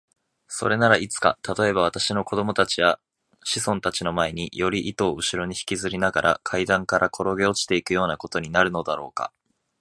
それならいつか、たとえば私の子供たちや子孫たちの前に、より糸をうしろにひきずりながら階段からころげ落ちていくようなことになるのだろうか。